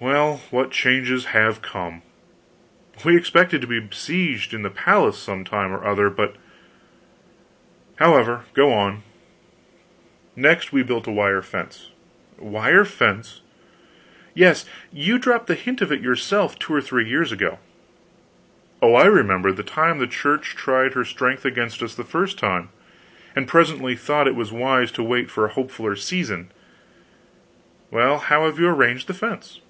Well, what changes have come! We expected to be besieged in the palace some time or other, but however, go on." "Next, we built a wire fence." "Wire fence?" "Yes. You dropped the hint of it yourself, two or three years ago." "Oh, I remember the time the Church tried her strength against us the first time, and presently thought it wise to wait for a hopefuler season. Well, how have you arranged the fence?"